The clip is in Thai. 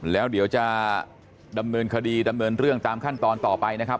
แล้วเดี๋ยวจะดำเนินคดีดำเนินเรื่องตามขั้นตอนต่อไปนะครับ